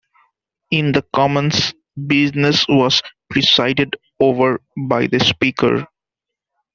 In the Commons, business was presided over by the Speaker.